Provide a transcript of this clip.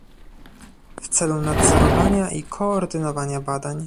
w celu nadzorowania i koordynowania badań